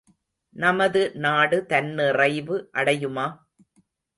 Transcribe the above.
நமது நாடு தன்னிறைவு அடையுமா?